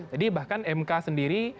jadi bahkan mk sendiri